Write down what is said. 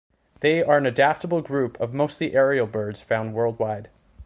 They are an adaptable group of mostly aerial birds found worldwide.